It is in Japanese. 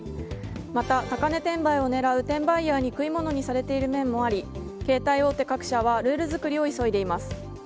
また、高値転売を狙う転売ヤーに食い物にされていることもあり携帯大手各社はルール作りを急いでいます。